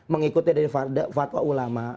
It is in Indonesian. mengikuti dari fatwa ulama